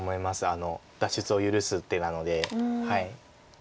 脱出を許す手なので。